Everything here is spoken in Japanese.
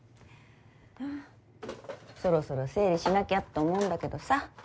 そろそろ整理しなきゃと思うんだけどさ。